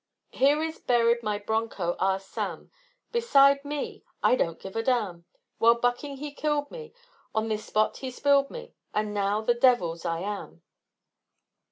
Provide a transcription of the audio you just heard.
"Here is buried my bronco, Ah Sam, Beside me I don't give a damn! While bucking he killed me; On this spot he spilled me, And now the devil's I am."